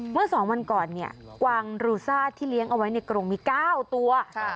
เมื่อสองวันก่อนกวางรูซ่าที่เลี้ยงเอาไว้ในกะโรงมีเก้าตัว